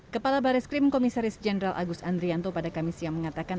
kepala baris krim komisaris jenderal agus andrianto pada kamis yang mengatakan